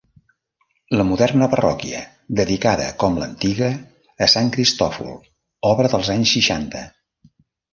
La moderna parròquia dedicada, com l'antiga, a Sant Cristòfol, obra dels anys seixanta.